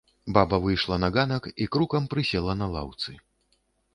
Баба выйшла на ганак і крукам прысела на лаўцы.